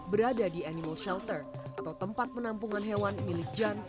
berada di animal shelter atau tempat penampungan hewan milik jan